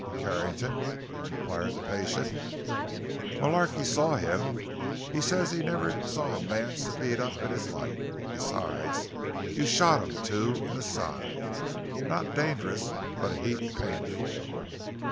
"Carrington?" inquired the patient. "Mullarky saw him. He says he never saw a man so beat up in his life. Besides, you shot him, too—in the side. Not dangerous, but a heap painful."